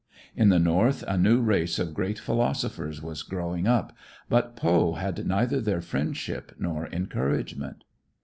In the North a new race of great philosophers was growing up, but Poe had neither their friendship nor encouragement.